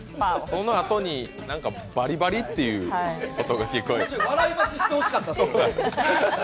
そのあとにバリバリっていう音が聞こえる。